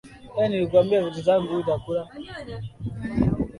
uliokuwa na imani katika upande wa pili